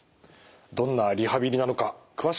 どんなリハビリなのか詳しく伺っていきましょう。